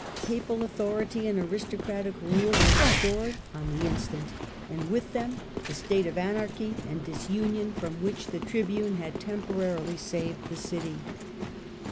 Papal authority and aristocratic rule were re stored on the instant, and with them the state of anarchy and disunion from which the Tribune had temporarily saved the city.